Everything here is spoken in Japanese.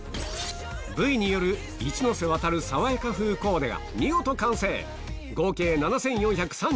Ｖによる一ノ瀬ワタルさわやか風コーデが見事完成！